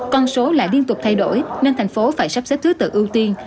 con số lại liên tục thay đổi nên thành phố phải sắp xếp thứ tự ưu tiên